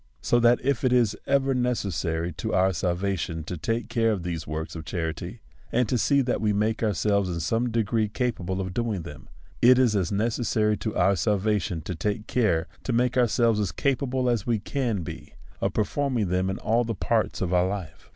So that if it is ever necessary to our salva tion to take care of these works of charity, and to see that we make ourselves in some degree capable of doing them, it is as necessary to our salvation to take care to make ourselves as capable as we can be of performing them in all the parts of our life.